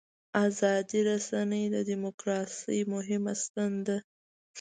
ازادې رسنۍ د دیموکراسۍ مهمه ستن ده.